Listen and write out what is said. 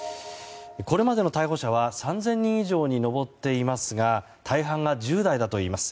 これまでの逮捕者は３０００人以上に上っていますが大半が１０代だといいます。